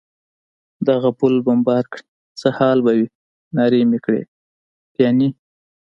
دغه پل بمبار کړي، څه حال به وي؟ نارې مې کړې: پیاني.